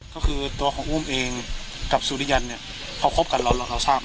ก็คือตัวของอุ้มเองกับสุริยันเนี่ยพอคบกันเราเราทราบ